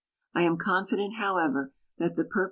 I am confident, however, that the purpo.